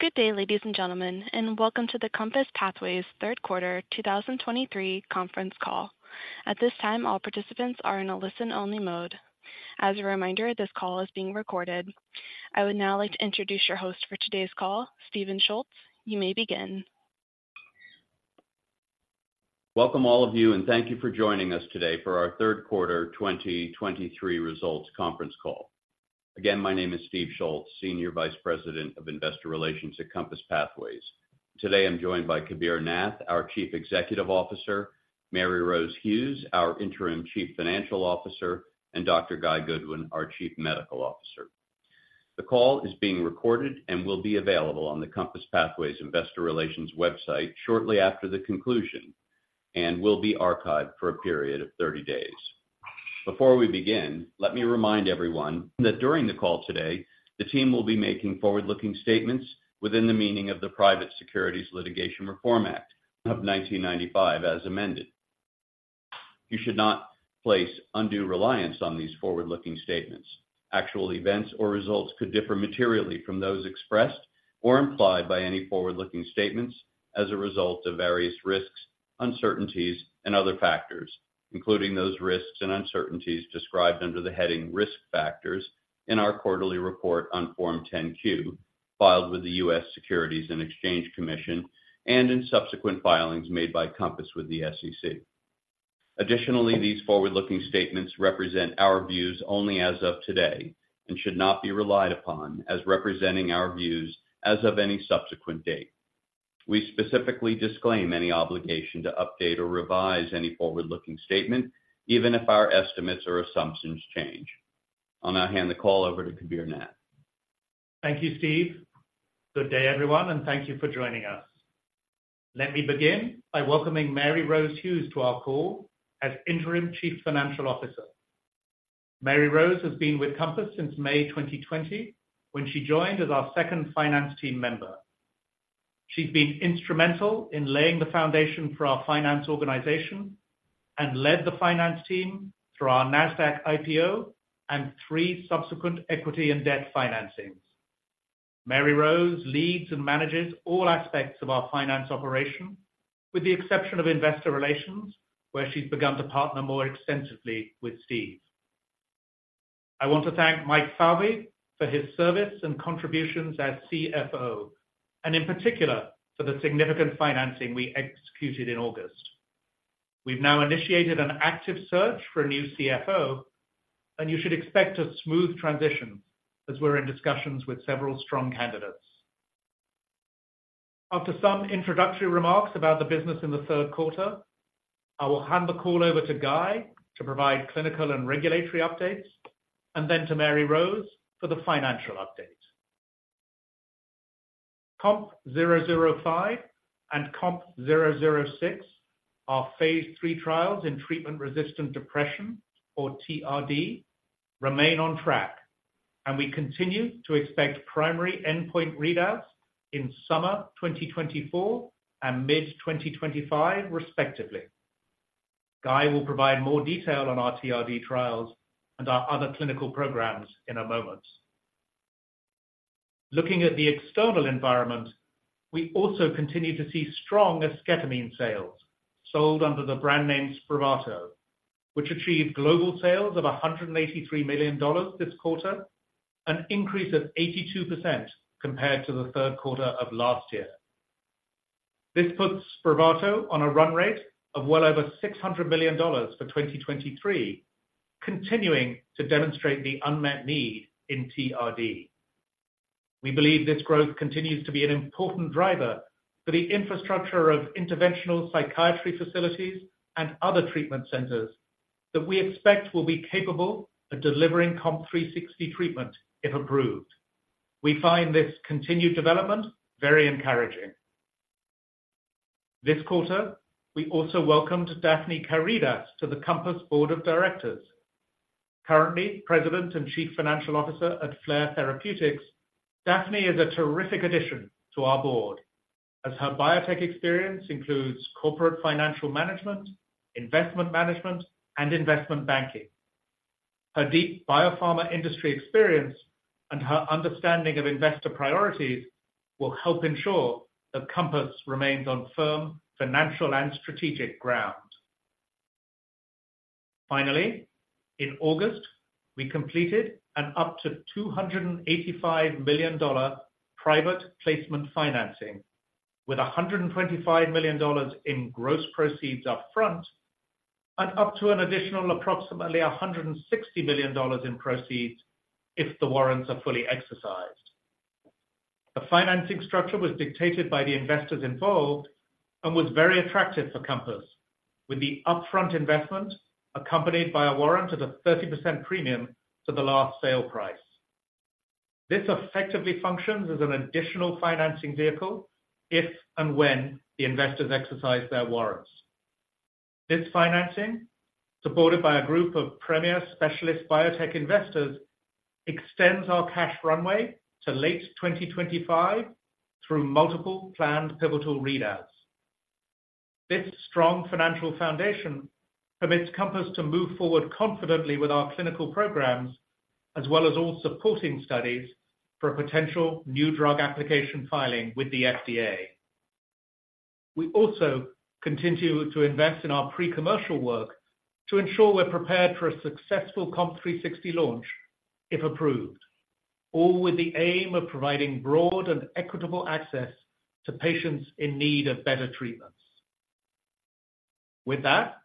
Good day, ladies and gentlemen, and welcome to the COMPASS Pathways third quarter 2023 conference call. At this time, all participants are in a listen-only mode. As a reminder, this call is being recorded. I would now like to introduce your host for today's call, Steve Schultz. You may begin. Welcome, all of you, and thank you for joining us today for our third quarter 2023 results conference call. Again, my name is Steve Schultz, Senior Vice President of Investor Relations at Compass Pathways. Today, I'm joined by Kabir Nath, our Chief Executive Officer, Mary-Rose Hughes, our Interim Chief Financial Officer, and Dr. Guy Goodwin, our Chief Medical Officer. The call is being recorded and will be available on the Compass Pathways Investor Relations website shortly after the conclusion, and will be archived for a period of 30 days. Before we begin, let me remind everyone that during the call today, the team will be making forward-looking statements within the meaning of the Private Securities Litigation Reform Act of 1995, as amended. You should not place undue reliance on these forward-looking statements. Actual events or results could differ materially from those expressed or implied by any forward-looking statements as a result of various risks, uncertainties, and other factors, including those risks and uncertainties described under the heading Risk Factors in our quarterly report on Form 10-Q, filed with the US Securities and Exchange Commission, and in subsequent filings made by Compass with the SEC. Additionally, these forward-looking statements represent our views only as of today and should not be relied upon as representing our views as of any subsequent date. We specifically disclaim any obligation to update or revise any forward-looking statement, even if our estimates or assumptions change. I'll now hand the call over to Kabir Nath. Thank you, Steve. Good day, everyone, and thank you for joining us. Let me begin by welcoming Mary-Rose Hughes to our call as Interim Chief Financial Officer. Mary-Rose has been with Compass since May 2020, when she joined as our second finance team member. She's been instrumental in laying the foundation for our finance organization and led the finance team through our NASDAQ IPO and three subsequent equity and debt financings. Mary-Rose leads and manages all aspects of our finance operation, with the exception of investor relations, where she's begun to partner more extensively with Steve. I want to thank Mike Falvey for his service and contributions as CFO, and in particular, for the significant financing we executed in August. We've now initiated an active search for a new CFO, and you should expect a smooth transition as we're in discussions with several strong candidates. After some introductory remarks about the business in the third quarter, I will hand the call over to Guy to provide clinical and regulatory updates, and then to Mary-Rose for the financial update. COMP005 and COMP006 are phase III trials in treatment-resistant depression, or TRD, remain on track, and we continue to expect primary endpoint readouts in summer 2024 and mid-2025, respectively. Guy will provide more detail on our TRD trials and our other clinical programs in a moment. Looking at the external environment, we also continue to see strong esketamine sales sold under the brand name Spravato, which achieved global sales of $183 million this quarter, an increase of 82% compared to the third quarter of last year. This puts Spravato on a run rate of well over $600 million for 2023, continuing to demonstrate the unmet need in TRD. We believe this growth continues to be an important driver for the infrastructure of interventional psychiatry facilities and other treatment centers that we expect will be capable of delivering COMP360 treatment, if approved. We find this continued development very encouraging. This quarter, we also welcomed Daphne Karydas to the Compass Board of Directors. Currently, President and Chief Financial Officer at Flare Therapeutics, Daphne is a terrific addition to our board, as her biotech experience includes corporate financial management, investment management, and investment banking. Her deep biopharma industry experience and her understanding of investor priorities will help ensure that Compass remains on firm financial and strategic ground. Finally, in August, we completed an up to $285 million private placement financing, with $125 million in gross proceeds up front and up to an additional approximately $160 million in proceeds if the warrants are fully exercised. The financing structure was dictated by the investors involved and was very attractive for Compass, with the upfront investment accompanied by a warrant at a 30% premium to the last sale price. This effectively functions as an additional financing vehicle if and when the investors exercise their warrants. This financing, supported by a group of premier specialist biotech investors, extends our cash runway to late 2025 through multiple planned pivotal readouts. This strong financial foundation permits Compass to move forward confidently with our clinical programs, as well as all supporting studies for a potential new drug application filing with the FDA. We also continue to invest in our pre-commercial work to ensure we're prepared for a successful COMP360 launch, if approved, all with the aim of providing broad and equitable access to patients in need of better treatments. With that,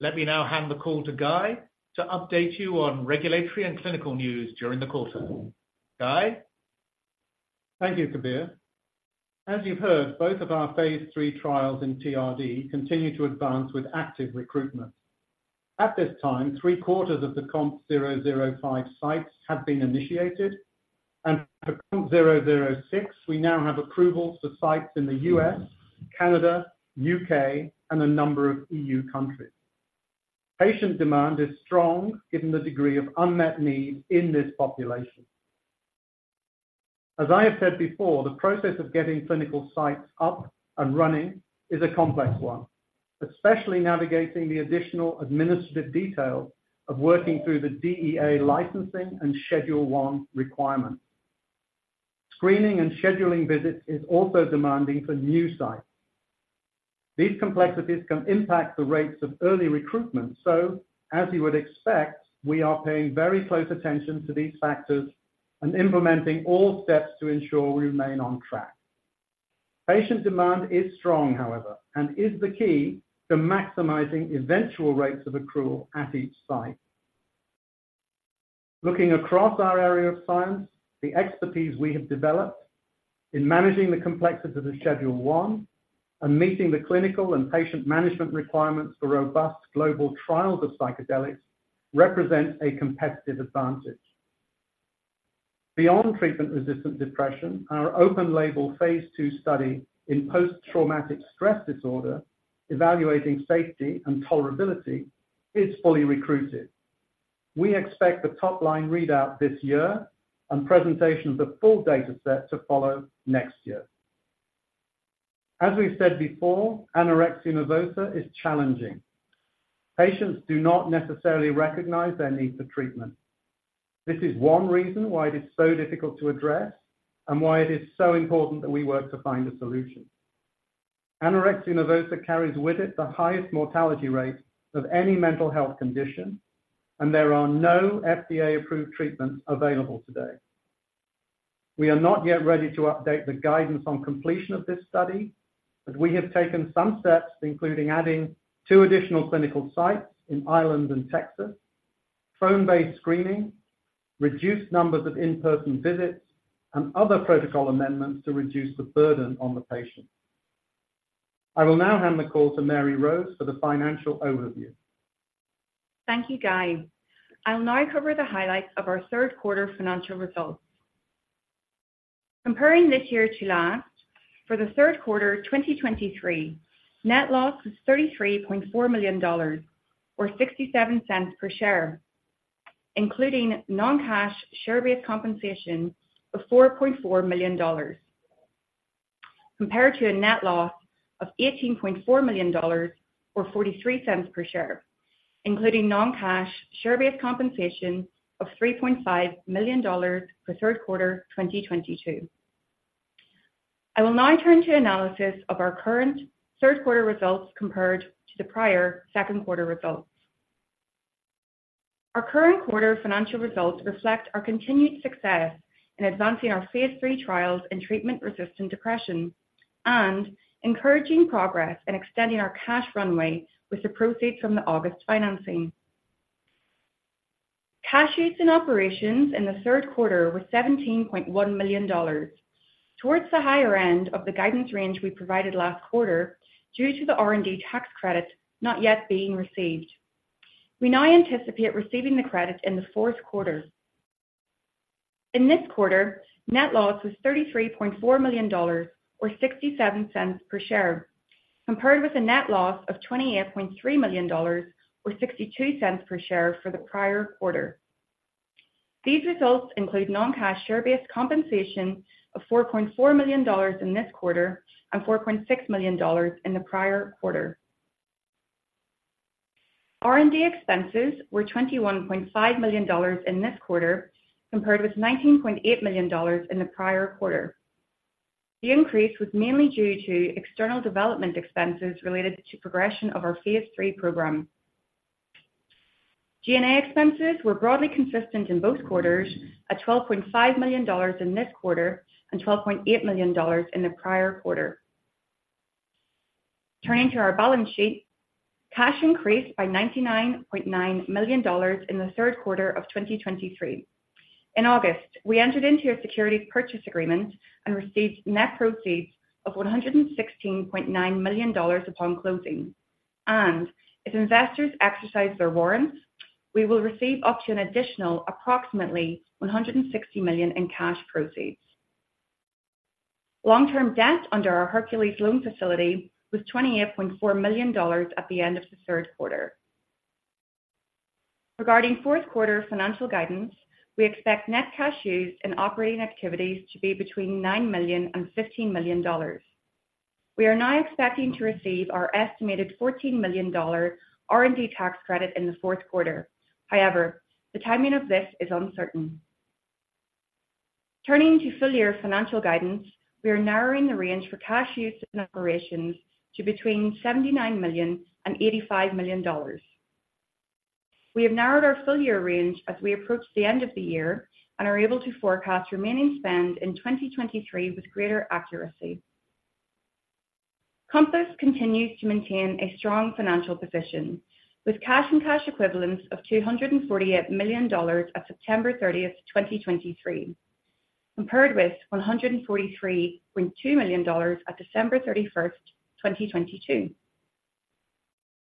let me now hand the call to Guy to update you on regulatory and clinical news during the quarter. Guy? Thank you, Kabir. As you've heard, both of our phase III trials in TRD continue to advance with active recruitment. At this time, three-quarters of the COMP005 sites have been initiated, and for COMP006, we now have approvals for sites in the U.S., Canada, U.K., and a number of E.U. countries. Patient demand is strong, given the degree of unmet need in this population. As I have said before, the process of getting clinical sites up and running is a complex one, especially navigating the additional administrative detail of working through the DEA licensing and Schedule I requirements. Screening and scheduling visits is also demanding for new sites. These complexities can impact the rates of early recruitment. So as you would expect, we are paying very close attention to these factors and implementing all steps to ensure we remain on track. Patient demand is strong, however, and is the key to maximizing eventual rates of accrual at each site. Looking across our area of science, the expertise we have developed in managing the complexities of Schedule I and meeting the clinical and patient management requirements for robust global trials of psychedelics represents a competitive advantage. Beyond treatment-resistant depression, our open label phase II study in post-traumatic stress disorder, evaluating safety and tolerability, is fully recruited. We expect the top-line readout this year and presentation of the full dataset to follow next year. As we've said before, anorexia nervosa is challenging. Patients do not necessarily recognize their need for treatment. This is one reason why it is so difficult to address and why it is so important that we work to find a solution. Anorexia nervosa carries with it the highest mortality rate of any mental health condition, and there are no FDA-approved treatments available today. We are not yet ready to update the guidance on completion of this study, but we have taken some steps, including adding two additional clinical sites in Ireland and Texas, phone-based screening, reduced numbers of in-person visits, and other protocol amendments to reduce the burden on the patient. I will now hand the call to Mary-Rose for the financial overview. Thank you, Guy. I'll now cover the highlights of our third quarter financial results. Comparing this year to last, for the third quarter of 2023, net loss was $33.4 million, or $0.67 per share, including non-cash share-based compensation of $4.4 million, compared to a net loss of $18.4 million or $0.43 per share, including non-cash share-based compensation of $3.5 million for third quarter 2022. I will now turn to analysis of our current third quarter results compared to the prior second quarter results. Our current quarter financial results reflect our continued success in advancing our phase III trials in treatment-resistant depression and encouraging progress in extending our cash runway with the proceeds from the August financing. Cash use in operations in the third quarter were $17.1 million, towards the higher end of the guidance range we provided last quarter, due to the R&D tax credit not yet being received. We now anticipate receiving the credit in the fourth quarter. In this quarter, net loss was $33.4 million or $0.67 per share, compared with a net loss of $28.3 million or $0.62 per share for the prior quarter. These results include non-cash share-based compensation of $4.4 million in this quarter and $4.6 million in the prior quarter. R&D expenses were $21.5 million in this quarter, compared with $19.8 million in the prior quarter. The increase was mainly due to external development expenses related to progression of our phase III program. G&A expenses were broadly consistent in both quarters, at $12.5 million in this quarter and $12.8 million in the prior quarter. Turning to our balance sheet, cash increased by $99.9 million in the third quarter of 2023. In August, we entered into a securities purchase agreement and received net proceeds of $116.9 million upon closing, and if investors exercise their warrants, we will receive up to an additional approximately $160 million in cash proceeds. Long-term debt under our Hercules loan facility was $28.4 million at the end of the third quarter. Regarding fourth quarter financial guidance, we expect net cash used in operating activities to be between $9 million and $15 million. We are now expecting to receive our estimated $14 million R&D tax credit in the fourth quarter. However, the timing of this is uncertain. Turning to full-year financial guidance, we are narrowing the range for cash use in operations to between $79 million and $85 million. We have narrowed our full-year range as we approach the end of the year and are able to forecast remaining spend in 2023 with greater accuracy. Compass continues to maintain a strong financial position, with cash and cash equivalents of $248 million at September 30, 2023, compared with $143.2 million at December 31, 2022.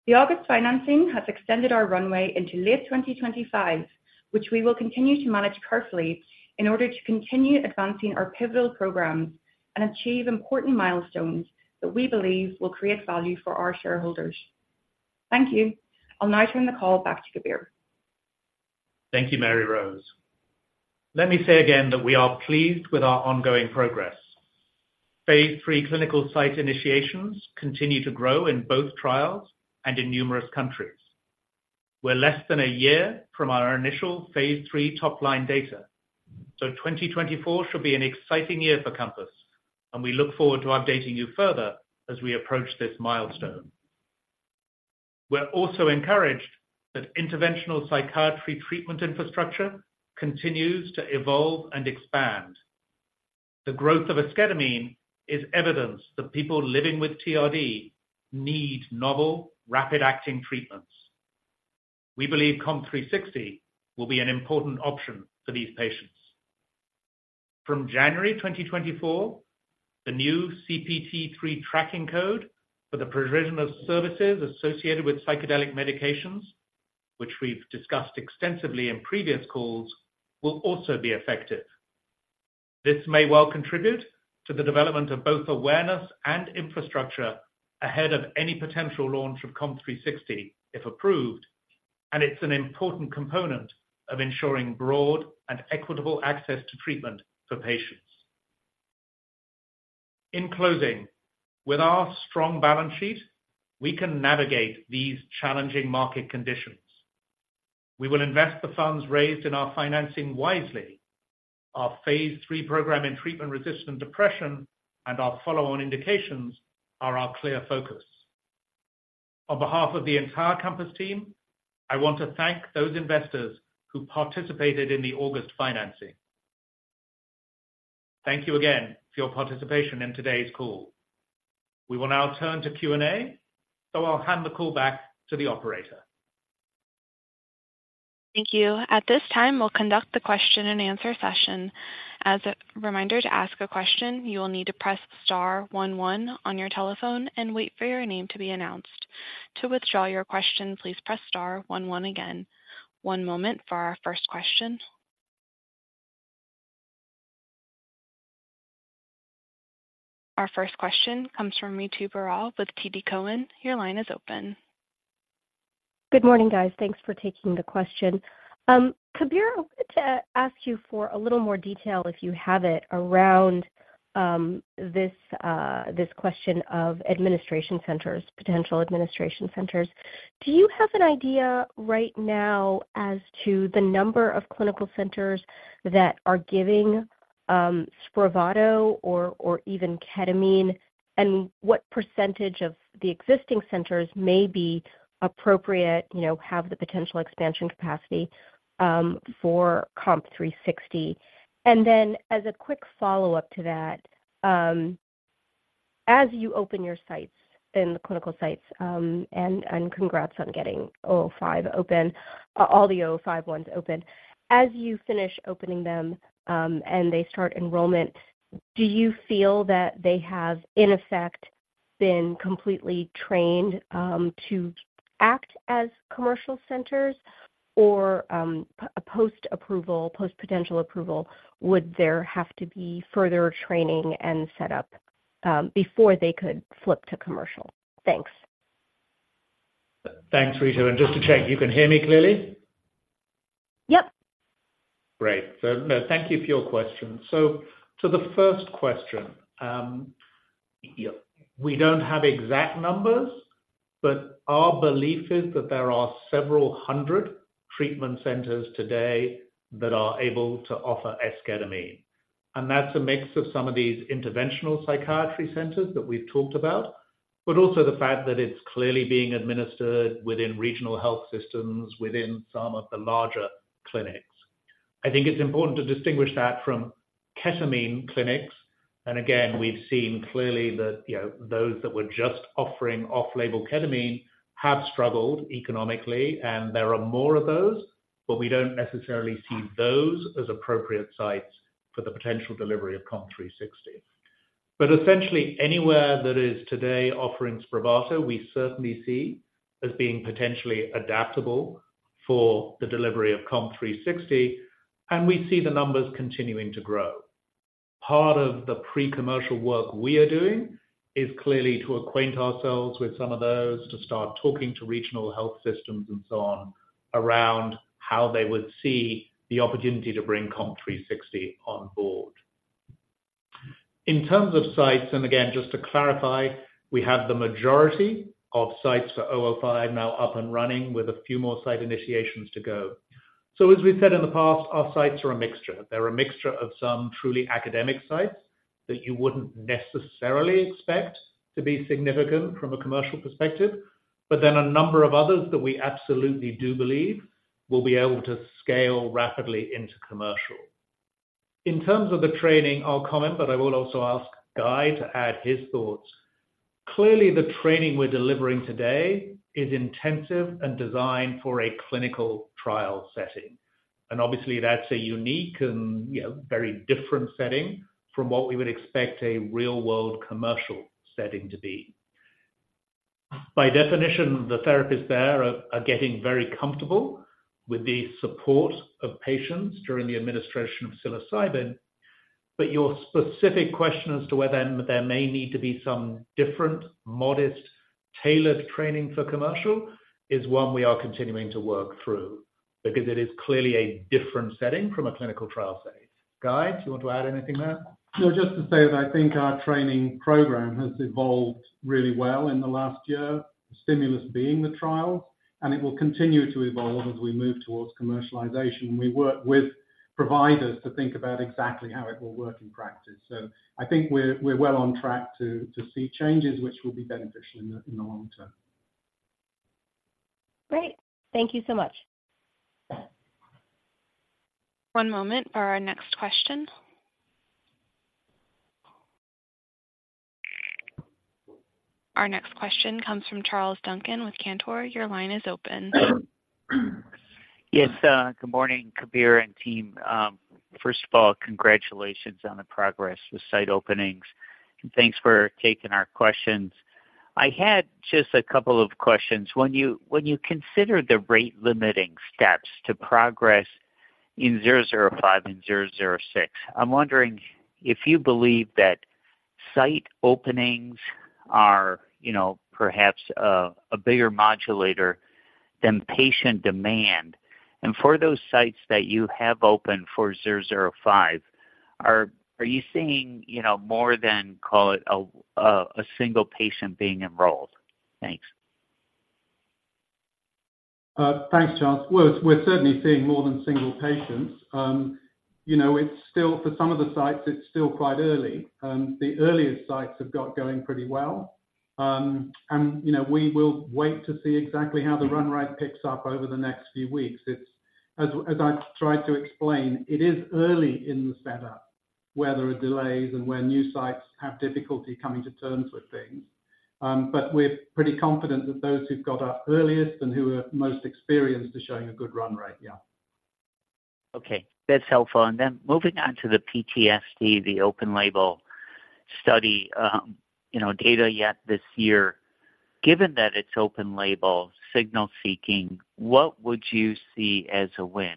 The August financing has extended our runway into late 2025, which we will continue to manage carefully in order to continue advancing our pivotal programs and achieve important milestones that we believe will create value for our shareholders. Thank you. I'll now turn the call back to Kabir. Thank you, Mary-Rose. Let me say again that we are pleased with our ongoing progress. Phase III clinical site initiations continue to grow in both trials and in numerous countries. We're less than a year from our initial phase III top-line data, so 2024 should be an exciting year for Compass, and we look forward to updating you further as we approach this milestone. We're also encouraged that interventional psychiatry treatment infrastructure continues to evolve and expand. The growth of esketamine is evidence that people living with TRD need novel, rapid-acting treatments. We believe COMP360 will be an important option for these patients. From January 2024, the new CPT III tracking code for the provision of services associated with psychedelic medications, which we've discussed extensively in previous calls, will also be effective. This may well contribute to the development of both awareness and infrastructure ahead of any potential launch of COMP360, if approved, and it's an important component of ensuring broad and equitable access to treatment for patients. In closing, with our strong balance sheet, we can navigate these challenging market conditions. We will invest the funds raised in our financing wisely. Our phase III program in treatment-resistant depression and our follow-on indications are our clear focus. On behalf of the entire Compass team, I want to thank those investors who participated in the August financing. Thank you again for your participation in today's call. We will now turn to Q&A, so I'll hand the call back to the operator. Thank you. At this time, we'll conduct the question-and-answer session. As a reminder, to ask a question, you will need to press star one one on your telephone and wait for your name to be announced. To withdraw your question, please press star one one again. One moment for our first question. Our first question comes from Ritu Baral with TD Cowen. Your line is open. Good morning, guys. Thanks for taking the question. Kabir, I wanted to ask you for a little more detail, if you have it, around this question of administration centers, potential administration centers. Do you have an idea right now as to the number of clinical centers that are giving Spravato or even ketamine, and what percentage of the existing centers may be appropriate, you know, have the potential expansion capacity for COMP360? And then as a quick follow-up to that, as you open your sites in the clinical sites, and congrats on getting 005 open, all the 005 ones open. As you finish opening them, and they start enrollment, do you feel that they have, in effect, been completely trained, to act as commercial centers or, post-approval, post potential approval, would there have to be further training and setup, before they could flip to commercial? Thanks. Thanks, Ritu, and just to check, you can hear me clearly? Yep. Great. So, no, thank you for your question. So to the first question, yeah, we don't have exact numbers, but our belief is that there are several hundred treatment centers today that are able to offer esketamine. And that's a mix of some of these interventional psychiatry centers that we've talked about, but also the fact that it's clearly being administered within regional health systems, within some of the larger clinics. I think it's important to distinguish that from ketamine clinics, and again, we've seen clearly that, you know, those that were just offering off-label ketamine have struggled economically, and there are more of those, but we don't necessarily see those as appropriate sites for the potential delivery of COMP360. But essentially, anywhere that is today offering Spravato, we certainly see as being potentially adaptable for the delivery of COMP360, and we see the numbers continuing to grow. Part of the pre-commercial work we are doing is clearly to acquaint ourselves with some of those, to start talking to regional health systems and so on, around how they would see the opportunity to bring COMP360 on board. In terms of sites, and again, just to clarify, we have the majority of sites for COMP005 now up and running, with a few more site initiations to go. So as we've said in the past, our sites are a mixture. They're a mixture of some truly academic sites that you wouldn't necessarily expect to be significant from a commercial perspective, but then a number of others that we absolutely do believe will be able to scale rapidly into commercial. In terms of the training, I'll comment, but I will also ask Guy to add his thoughts. Clearly, the training we're delivering today is intensive and designed for a clinical trial setting. And obviously, that's a unique and, you know, very different setting from what we would expect a real-world commercial setting to be. By definition, the therapists there are getting very comfortable with the support of patients during the administration of psilocybin. Your specific question as to whether there may need to be some different, modest, tailored training for commercial is one we are continuing to work through because it is clearly a different setting from a clinical trial setting. Guy, do you want to add anything there? Well, just to say that I think our training program has evolved really well in the last year, the stimulus being the trials, and it will continue to evolve as we move towards commercialization. We work with providers to think about exactly how it will work in practice. So I think we're well on track to see changes which will be beneficial in the long term. Great. Thank you so much. One moment for our next question. Our next question comes from Charles Duncan with Cantor. Your line is open. Yes, good morning, Kabir and team. First of all, congratulations on the progress with site openings, and thanks for taking our questions. I had just a couple of questions. When you consider the rate-limiting steps to progress in 005 and 006, I'm wondering if you believe that site openings are, you know, perhaps a bigger modulator than patient demand. And for those sites that you have opened for 005, are you seeing, you know, more than, call it, a single patient being enrolled? Thanks. Thanks, Charles. Well, we're certainly seeing more than single patients. You know, it's still, for some of the sites, it's still quite early. The earliest sites have got going pretty well. And you know, we will wait to see exactly how the run rate picks up over the next few weeks. It's—as I've tried to explain, it is early in the setup, where there are delays and where new sites have difficulty coming to terms with things. But we're pretty confident that those who've got up earliest and who are most experienced are showing a good run rate. Yeah. Okay, that's helpful. Then moving on to the PTSD, the open label study, you know, data yet this year. Given that it's open label signal-seeking, what would you see as a win?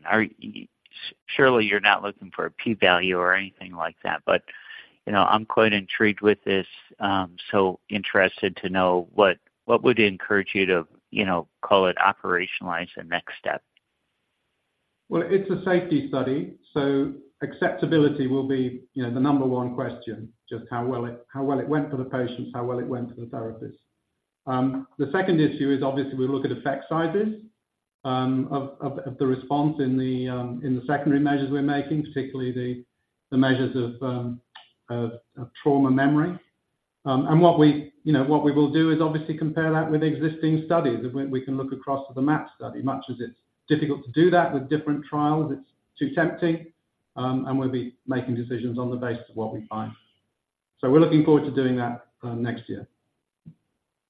Surely you're not looking for a p-value or anything like that, but, you know, I'm quite intrigued with this, so interested to know what, what would encourage you to, you know, call it operationalize the next step? Well, it's a safety study, so acceptability will be, you know, the number one question, just how well it went for the patients, how well it went for the therapists. The second issue is obviously we look at effect sizes of the response in the secondary measures we're making, particularly the measures of trauma memory. And what we, you know, what we will do is obviously compare that with existing studies. We can look across the MAP study, much as it's difficult to do that with different trials, it's too tempting, and we'll be making decisions on the basis of what we find. So we're looking forward to doing that next year.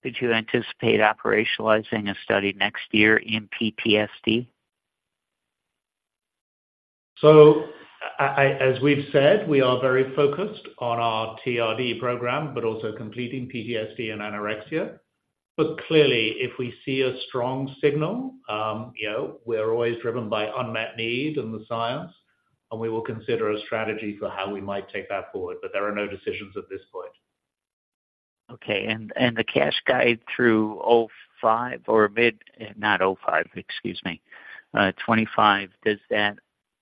Did you anticipate operationalizing a study next year in PTSD? So as we've said, we are very focused on our TRD program, but also completing PTSD and anorexia. But clearly, if we see a strong signal, you know, we're always driven by unmet need and the science, and we will consider a strategy for how we might take that forward. But there are no decisions at this point. Okay. And the cash guide through 2025, does that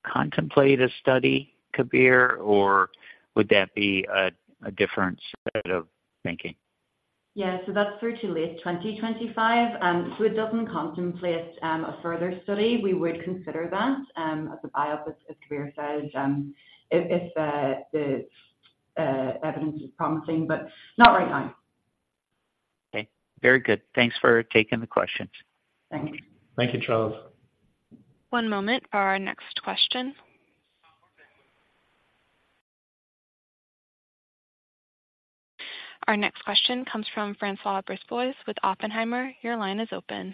contemplate a study, Kabir, or would that be a different set of thinking? Yeah. So that's through to late 2025, so it doesn't contemplate a further study. We would consider that as a buy-up, as Kabir said, if the evidence is promising, but not right now. Okay. Very good. Thanks for taking the questions. Thanks. Thank you, Charles. One moment for our next question. Our next question comes from François Brisebois with Oppenheimer. Your line is open.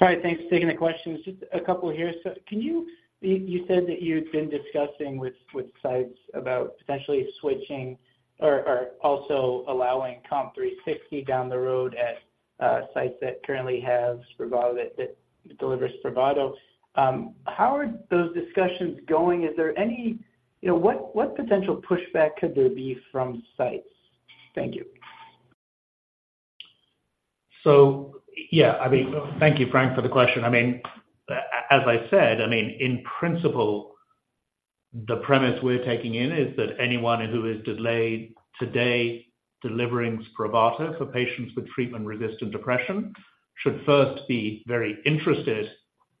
Hi. Thanks for taking the questions. Just a couple here. So can you? You said that you'd been discussing with sites about potentially switching or also allowing COMP360 down the road at sites that currently have Spravato, that delivers Spravato. How are those discussions going? Is there any? You know, what potential pushback could there be from sites? Thank you. So yeah, I mean, thank you, Frank, for the question. I mean, as I said, I mean, in principle, the premise we're taking in is that anyone who is delayed today delivering Spravato for patients with treatment-resistant depression should first be very interested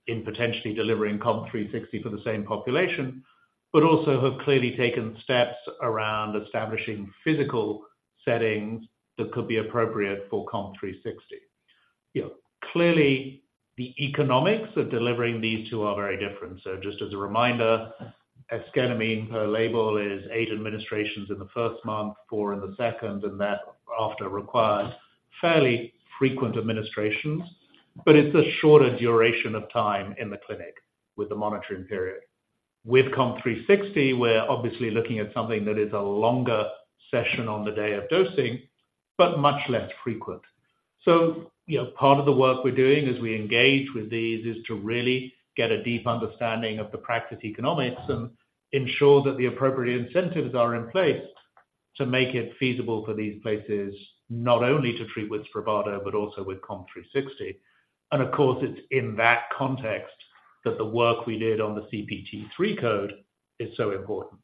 in potentially delivering COMP360 for the same population, but also have clearly taken steps around establishing physical settings that could be appropriate for COMP360. You know, clearly, the economics of delivering these two are very different. So just as a reminder, esketamine per label is eight administrations in the first month, four in the second, and that after requires fairly frequent administrations, but it's a shorter duration of time in the clinic with the monitoring period. With COMP360, we're obviously looking at something that is a longer session on the day of dosing, but much less frequent. So, you know, part of the work we're doing as we engage with these is to really get a deep understanding of the practice economics and ensure that the appropriate incentives are in place to make it feasible for these places, not only to treat with Spravato, but also with COMP360. And of course, it's in that context that the work we did on the CPT 3 code is so important.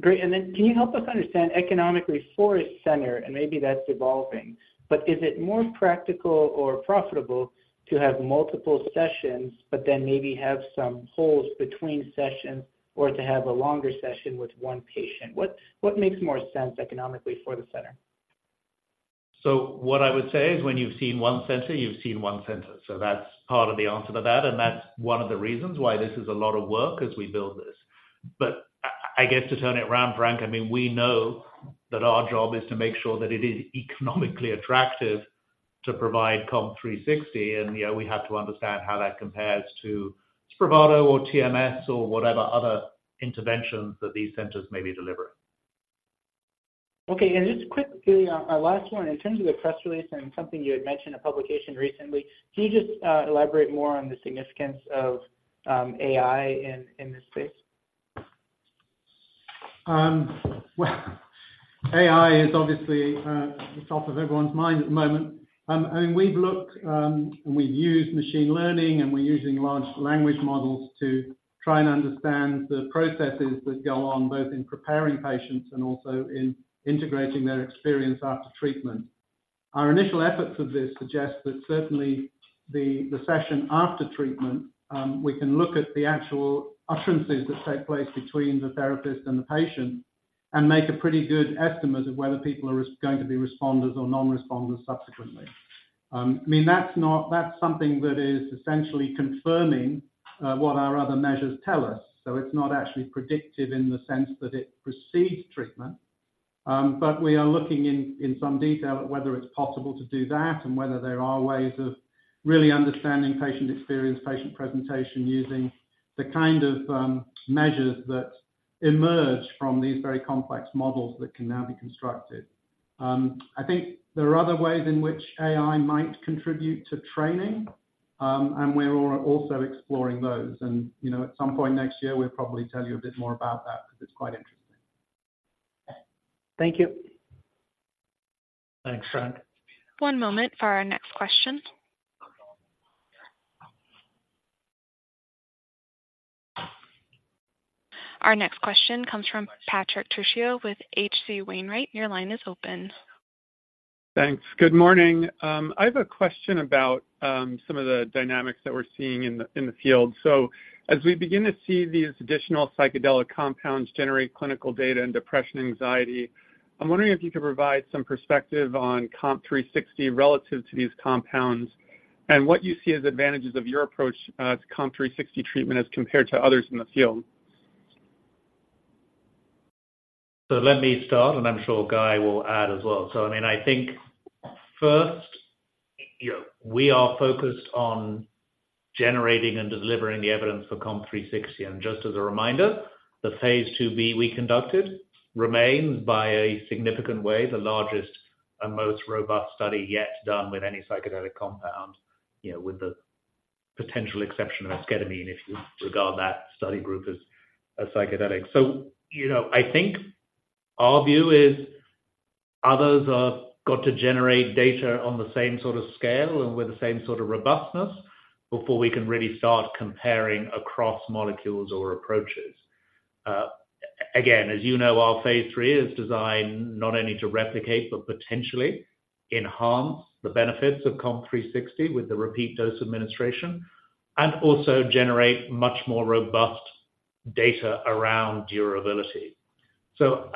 Great. And then can you help us understand economically for a center, and maybe that's evolving, but is it more practical or profitable to have multiple sessions, but then maybe have some holes between sessions or to have a longer session with one patient? What, what makes more sense economically for the center? So what I would say is when you've seen one center, you've seen one center. So that's part of the answer to that, and that's one of the reasons why this is a lot of work as we build this. But I, I guess to turn it around, Frank, I mean, we know that our job is to make sure that it is economically attractive to provide COMP360, and, you know, we have to understand how that compares to Spravato or TMS or whatever other interventions that these centers may be delivering. Okay, and just quickly, our last one, in terms of the press release and something you had mentioned in a publication recently, can you just, elaborate more on the significance of AI in this space? Well, AI is obviously at the top of everyone's mind at the moment. I mean, we've looked, and we've used machine learning, and we're using large language models to try and understand the processes that go on, both in preparing patients and also in integrating their experience after treatment. Our initial efforts of this suggest that certainly the session after treatment, we can look at the actual utterances that take place between the therapist and the patient and make a pretty good estimate of whether people are going to be responders or non-responders subsequently. I mean, that's not. That's something that is essentially confirming what our other measures tell us, so it's not actually predictive in the sense that it precedes treatment. But we are looking in some detail at whether it's possible to do that and whether there are ways of really understanding patient experience, patient presentation, using the kind of measures that emerge from these very complex models that can now be constructed. I think there are other ways in which AI might contribute to training, and we're also exploring those. You know, at some point next year, we'll probably tell you a bit more about that because it's quite interesting. Thank you. Thanks, Frank. One moment for our next question. Our next question comes from Patrick Trucchio with H.C. Wainwright. Your line is open. Thanks. Good morning. I have a question about some of the dynamics that we're seeing in the, in the field. So as we begin to see these additional psychedelic compounds generate clinical data in depression, anxiety, I'm wondering if you could provide some perspective on COMP360 relative to these compounds and what you see as advantages of your approach to COMP360 treatment as compared to others in the field. So let me start, and I'm sure Guy will add as well. So I mean, I think first, you know, we are focused on generating and delivering the evidence for COMP360, and just as a reminder, the phase 2b we conducted remains, by a significant way, the largest and most robust study yet done with any psychedelic compound, you know, with the potential exception of esketamine, if you regard that study group as a psychedelic. So, you know, I think our view is others have got to generate data on the same sort of scale and with the same sort of robustness before we can really start comparing across molecules or approaches. Again, as you know, our phase III is designed not only to replicate, but potentially enhance the benefits of COMP360 with the repeat dose administration, and also generate much more robust data around durability. So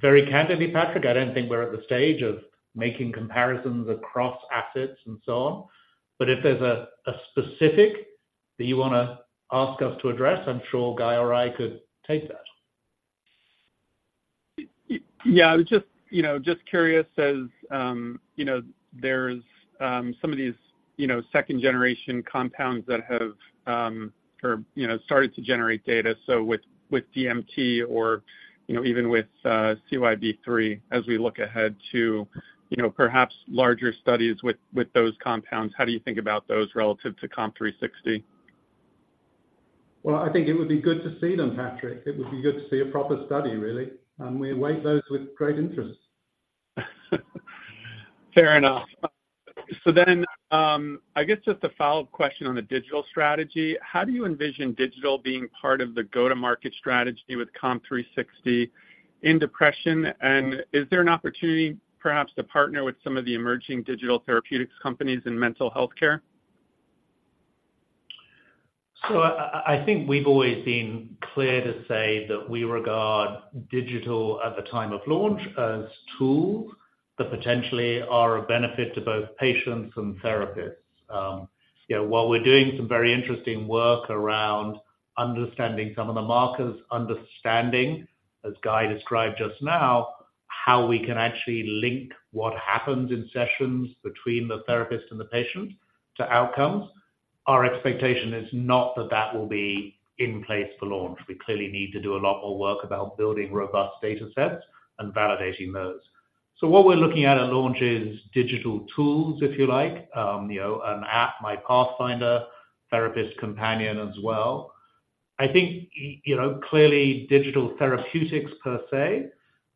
very candidly, Patrick, I don't think we're at the stage of making comparisons across assets and so on, but if there's a specific that you want to ask us to address, I'm sure Guy or I could take that. Yeah. I was just, you know, just curious as, you know, there's some of these, you know, second-generation compounds that have, or, you know, started to generate data. So with DMT or, you know, even with CYB003, as we look ahead to, you know, perhaps larger studies with those compounds, how do you think about those relative to COMP360? Well, I think it would be good to see them, Patrick. It would be good to see a proper study, really, and we await those with great interest. Fair enough. So then, I guess just a follow-up question on the digital strategy. How do you envision digital being part of the go-to-market strategy with COMP360 in depression? And is there an opportunity perhaps to partner with some of the emerging digital therapeutics companies in mental health care? So I think we've always been clear to say that we regard digital at the time of launch as tools that potentially are a benefit to both patients and therapists. You know, while we're doing some very interesting work around understanding some of the markers, as Guy described just now, how we can actually link what happens in sessions between the therapist and the patient to outcomes. Our expectation is not that that will be in place for launch. We clearly need to do a lot more work about building robust data sets and validating those. So what we're looking at at launch is digital tools, if you like, you know, an app, myPathfinder, therapist companion as well. I think, you know, clearly digital therapeutics per se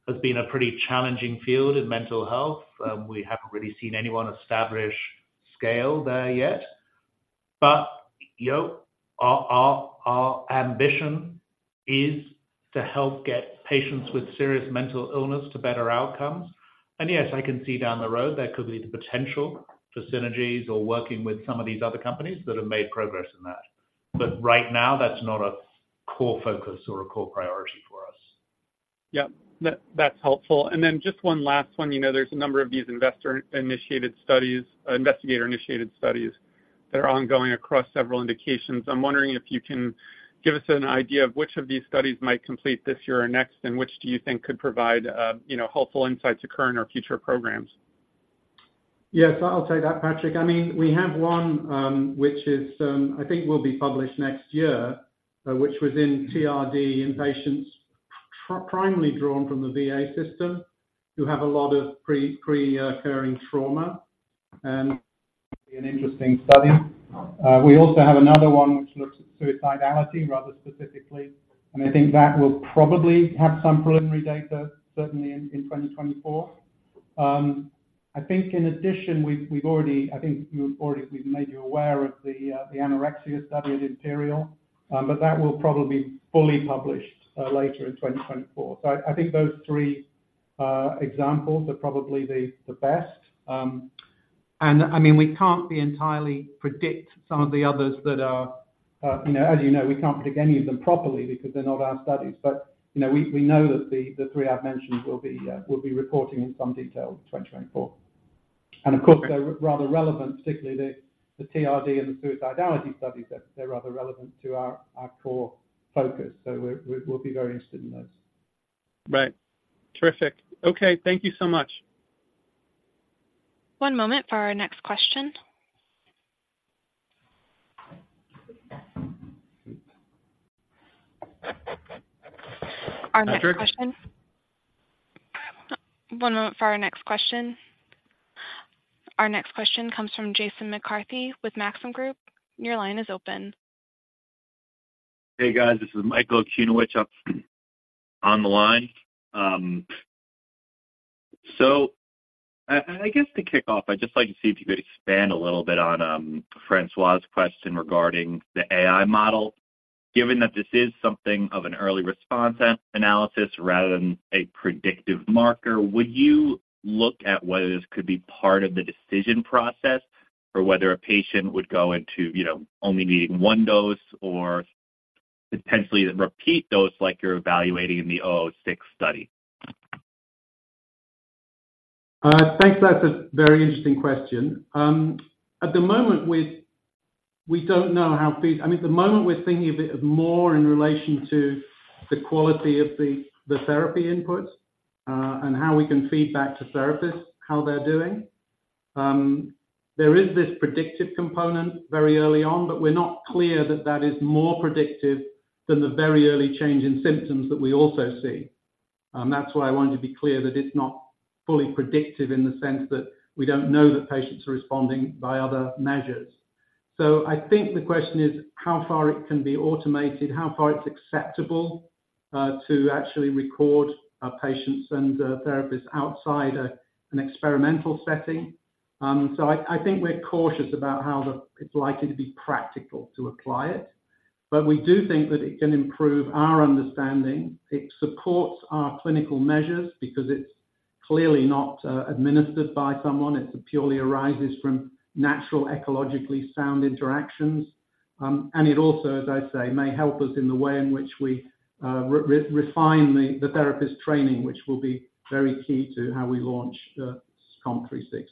has been a pretty challenging field in mental health. We haven't really seen anyone establish scale there yet. But, you know, our ambition is to help get patients with serious mental illness to better outcomes. And yes, I can see down the road there could be the potential for synergies or working with some of these other companies that have made progress in that. But right now, that's not a core focus or a core priority for us. Yeah, that's helpful. And then just one last one. You know, there's a number of these investor-initiated studies—investigator-initiated studies that are ongoing across several indications. I'm wondering if you can give us an idea of which of these studies might complete this year or next, and which do you think could provide, you know, helpful insights to current or future programs? Yes, I'll take that, Patrick. I mean, we have one, which is, I think will be published next year, which was in TRD, in patients primarily drawn from the VA system, who have a lot of pre-occurring trauma, and an interesting study. We also have another one which looks at suicidality rather specifically, and I think that will probably have some preliminary data, certainly in 2024. I think in addition, we've already, I think we've already made you aware of the anorexia study at Imperial, but that will probably be fully published later in 2024. So I think those three examples are probably the best. I mean, we can't be entirely predict some of the others that are, you know, as you know, we can't predict any of them properly because they're not our studies. But, you know, we know that the three I've mentioned will be reporting in some detail in 2024. And of course, they're rather relevant, particularly the TRD and the suicidality studies, that they're rather relevant to our core focus, so we'll be very interested in those. Right. Terrific. Okay, thank you so much. One moment for our next question. Our next question. One moment for our next question. Our next question comes from Jason McCarthy with Maxim Group. Your line is open. Hey, guys, this is Michael Okunewitch up on the line. So, I guess to kick off, I'd just like to see if you could expand a little bit on François' question regarding the AI model. Given that this is something of an early response analysis rather than a predictive marker, would you look at whether this could be part of the decision process or whether a patient would go into, you know, only needing one dose or potentially repeat dose like you're evaluating in the 006 study? Thanks. That's a very interesting question. At the moment, I mean, at the moment, we're thinking of it as more in relation to the quality of the therapy input, and how we can feed back to therapists, how they're doing. There is this predictive component very early on, but we're not clear that that is more predictive than the very early change in symptoms that we also see. That's why I want to be clear that it's not fully predictive in the sense that we don't know that patients are responding by other measures. So I think the question is how far it can be automated, how far it's acceptable, to actually record our patients and therapists outside an experimental setting. So I think we're cautious about how it's likely to be practical to apply it. But we do think that it can improve our understanding. It supports our clinical measures because it's clearly not administered by someone. It purely arises from natural, ecologically sound interactions. And it also, as I say, may help us in the way in which we refine the therapist training, which will be very key to how we launch COMP360.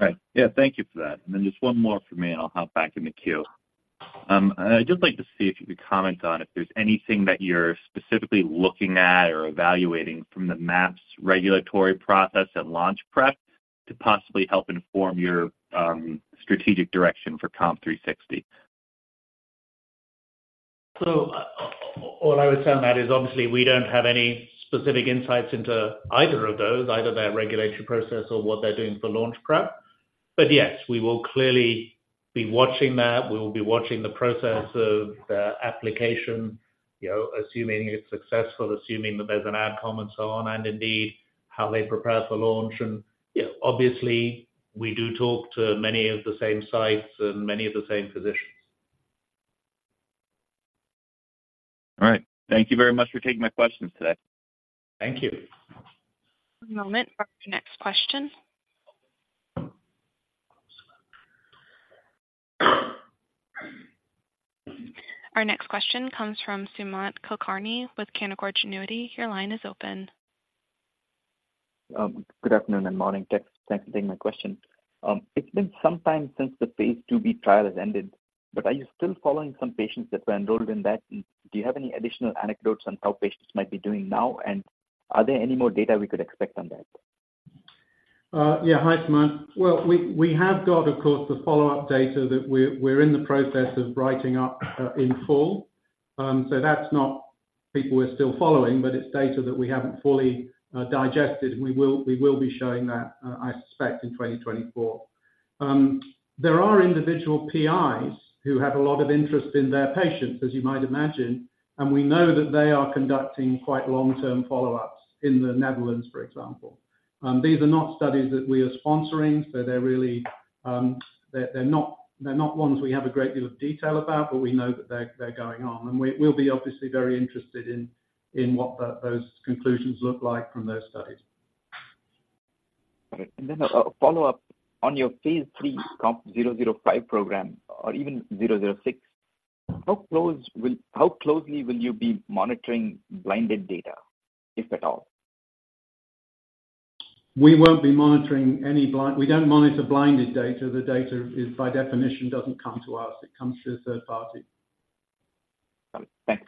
Right. Yeah, thank you for that. And then just one more for me, and I'll hop back in the queue. I'd just like to see if you could comment on if there's anything that you're specifically looking at or evaluating from the MAPS regulatory process at launch prep to possibly help inform your strategic direction for COMP360. So all I would say on that is obviously we don't have any specific insights into either of those, either their regulatory process or what they're doing for launch prep. But yes, we will clearly be watching that. We will be watching the process of the application, you know, assuming it's successful, assuming that there's an ad comm and so on, and indeed, how they prepare for launch. And, you know, obviously, we do talk to many of the same sites and many of the same physicians. All right. Thank you very much for taking my questions today. Thank you. One moment for the next question. Our next question comes from Sumant Kulkarni with Canaccord Genuity. Your line is open. Good afternoon and morning. Thanks for taking my question. It's been some time since the phase IIb trial has ended, but are you still following some patients that were enrolled in that? And do you have any additional anecdotes on how patients might be doing now? And are there any more data we could expect on that? Yeah. Hi, Sumant. Well, we have got, of course, the follow-up data that we're in the process of writing up, in full. So that's not people we're still following, but it's data that we haven't fully digested. We will be showing that, I suspect, in 2024. There are individual PIs who have a lot of interest in their patients, as you might imagine, and we know that they are conducting quite long-term follow-ups in the Netherlands, for example. These are not studies that we are sponsoring, so they're really, they're not ones we have a great deal of detail about, but we know that they're going on. And we'll be obviously very interested in what those conclusions look like from those studies. Great. And then a follow-up. On your phase III COMP005 program or even COMP006, how closely will you be monitoring blinded data, if at all? We won't be monitoring any blind... We don't monitor blinded data. The data, by definition, doesn't come to us. It comes through a third party. Got it. Thanks.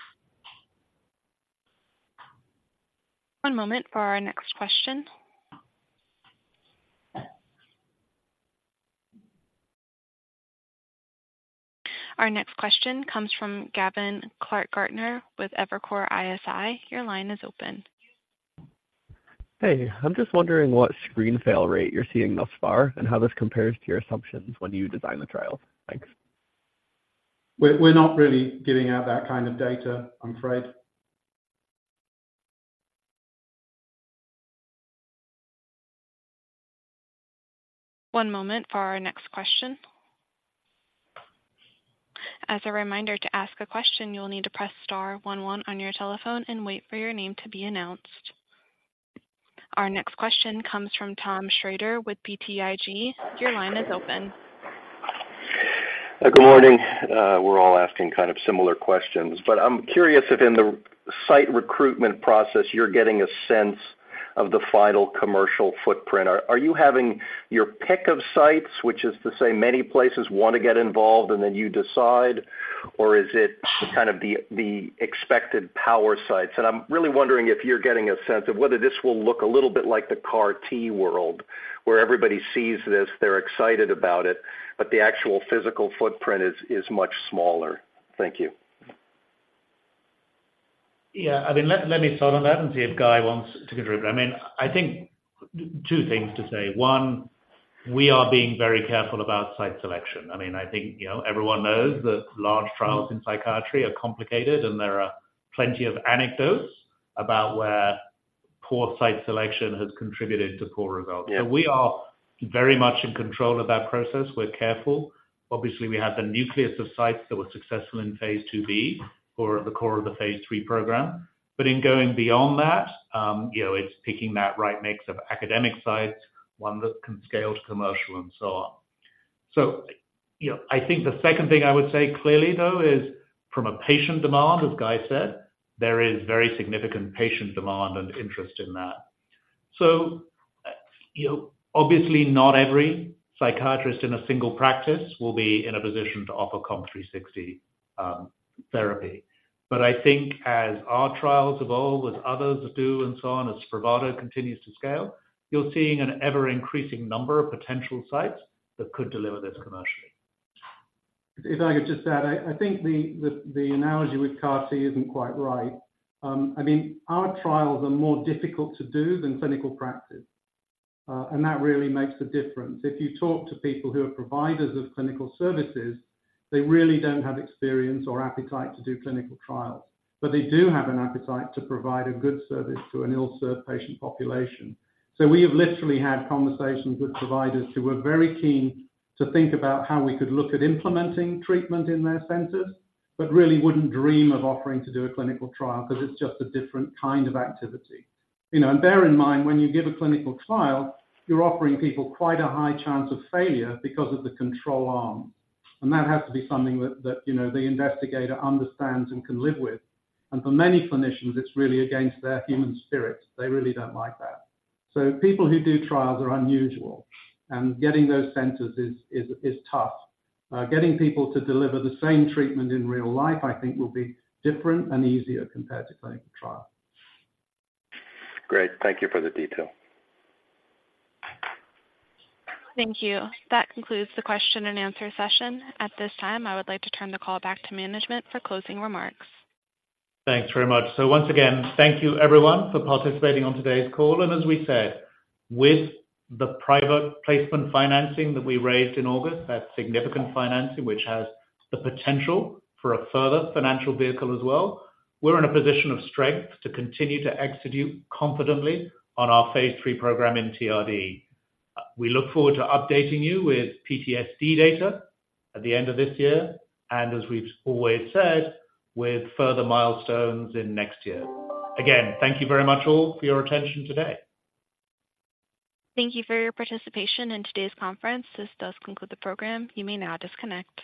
One moment for our next question. Our next question comes from Gavin Clark-Gartner with Evercore ISI. Your line is open. Hey, I'm just wondering what screen fail rate you're seeing thus far and how this compares to your assumptions when you designed the trial. Thanks. We're not really giving out that kind of data, I'm afraid. One moment for our next question. As a reminder, to ask a question, you'll need to press star one one on your telephone and wait for your name to be announced. Our next question comes from Tom Schrader with BTIG. Your line is open. Good morning. We're all asking kind of similar questions, but I'm curious if in the site recruitment process, you're getting a sense of the final commercial footprint. Are you having your pick of sites, which is to say many places want to get involved and then you decide, or is it kind of the expected power sites? And I'm really wondering if you're getting a sense of whether this will look a little bit like the CAR-T world, where everybody sees this, they're excited about it, but the actual physical footprint is much smaller. Thank you. Yeah. I mean, let me start on that and see if Guy wants to contribute. I mean, I think two things to say. One, we are being very careful about site selection. I mean, I think, you know, everyone knows that large trials in psychiatry are complicated, and there are plenty of anecdotes about where poor site selection has contributed to poor results. So we are very much in control of that process. We're careful. Obviously, we have the nucleus of sites that were successful in phase 2b or the core of the phase III program. But in going beyond that, you know, it's picking that right mix of academic sites, one that can scale to commercial and so on. So, you know, I think the second thing I would say clearly, though, is from a patient demand, as Guy said, there is very significant patient demand and interest in that. So, you know, obviously, not every psychiatrist in a single practice will be in a position to offer COMP360 therapy. But I think as our trials evolve, as others do and so on, as Spravato continues to scale, you're seeing an ever-increasing number of potential sites that could deliver this commercially. If I could just add, I think the analogy with CAR-T isn't quite right. I mean, our trials are more difficult to do than clinical practice, and that really makes a difference. If you talk to people who are providers of clinical services, they really don't have experience or appetite to do clinical trials, but they do have an appetite to provide a good service to an ill-served patient population. So we have literally had conversations with providers who are very keen to think about how we could look at implementing treatment in their centers, but really wouldn't dream of offering to do a clinical trial because it's just a different kind of activity. You know, and bear in mind, when you give a clinical trial, you're offering people quite a high chance of failure because of the control arm, and that has to be something that, you know, the investigator understands and can live with. And for many clinicians, it's really against their human spirit. They really don't like that. So people who do trials are unusual, and getting those centers is tough. Getting people to deliver the same treatment in real life, I think, will be different and easier compared to clinical trial. Great. Thank you for the detail. Thank you. That concludes the question and answer session. At this time, I would like to turn the call back to management for closing remarks. Thanks very much. So once again, thank you everyone for participating on today's call. And as we said, with the private placement financing that we raised in August, that's significant financing, which has the potential for a further financial vehicle as well, we're in a position of strength to continue to execute confidently on our phase III program in TRD. We look forward to updating you with PTSD data at the end of this year, and as we've always said, with further milestones in next year. Again, thank you very much all for your attention today. Thank you for your participation in today's conference. This does conclude the program. You may now disconnect.